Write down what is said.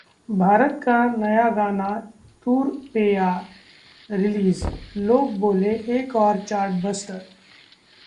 भारत का नया गाना 'तुर पेया' रिलीज, लोग बोले- एक और चार्टबस्टर